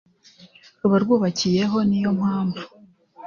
ruba rwubakiyeho, niyo mpamvu